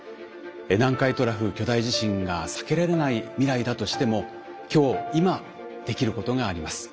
南海トラフ巨大地震が避けられない未来だとしても今日今できることがあります。